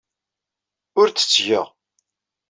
Ur tt-ttgeɣ.